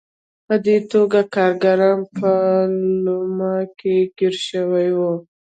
په دې توګه کارګران په لومه کې ګیر شوي وو.